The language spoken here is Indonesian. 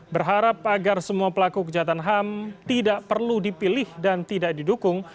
berharap agar semua pelaku kejahatan ham tidak perlu dipilih dan tidak didukung